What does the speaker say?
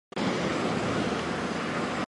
金万燮于是又与彼得等人重逢。